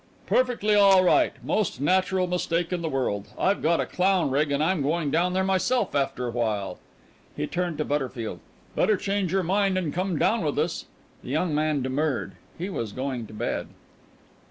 "Perfectly all right; most natural mistake in the world. I've got a clown rig and I'm going down there myself after a while." He turned to Butterfield. "Better change your mind and come down with us." The young man demurred. He was going to bed.